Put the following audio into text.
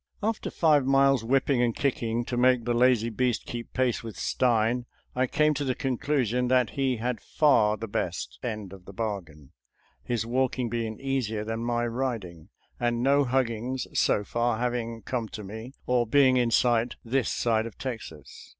After five miles whipping and kicking to make the lazy beast keep pace with Stein, I came to the conclusion that he had far the best end of the bargain — ^his walking being easier than my riding, and no huggings, so far, having come to me, or being in sight, this side of Texas.